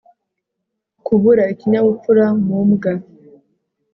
kubura ikinyabupfura mu mbwa